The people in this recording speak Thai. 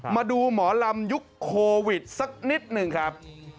มาดูหมอลำยุคโควิดสักนิดหนึ่งครับ